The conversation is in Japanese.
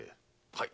はい。